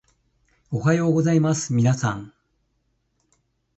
おはようございますみなさん